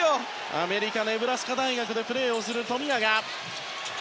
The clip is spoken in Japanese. アメリカネブラスカ大学でプレーする富永。